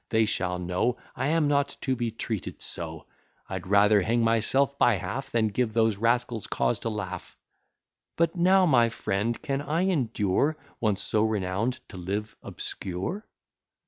they shall know, I am not to be treated so; I'd rather hang myself by half, Than give those rascals cause to laugh. But how, my friend, can I endure, Once so renown'd, to live obscure?